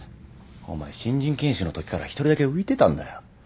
お前新人研修のときから１人だけ浮いてたんだよ。